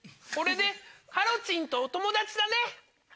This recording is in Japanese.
これでカロチンとお友達だね！